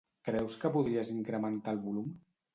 Creus que podries incrementar el volum?